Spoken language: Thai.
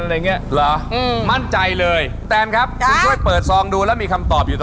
ไม่น่าไม่น่าเชื่ออะไรมองเปล่ามันทำไม